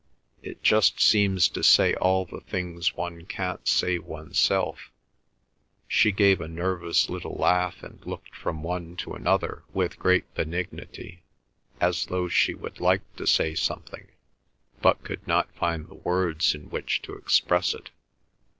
"It just seems to say all the things one can't say oneself." She gave a nervous little laugh and looked from one to another with great benignity, as though she would like to say something but could not find the words in which to express it.